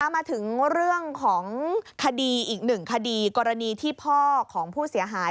มาถึงเรื่องของคดีอีกหนึ่งคดีกรณีที่พ่อของผู้เสียหาย